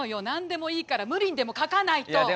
何でもいいから無理にでも書かないと。